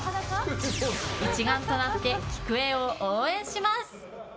一丸となってきくえを応援します。